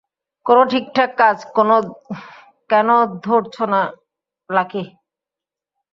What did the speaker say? কোনো ঠিকঠাক কাজ কেনো ধরছো না, লাকি?